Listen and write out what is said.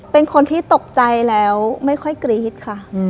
เป็นคนที่ตกใจแล้วไม่ค่อยกรี๊ดค่ะ